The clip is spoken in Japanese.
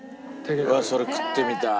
うわっそれ食ってみたい。